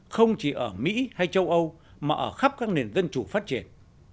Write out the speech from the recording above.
không chỉ ở mỹ hay châu âu mà ở khắp các nền dân chủ phát triển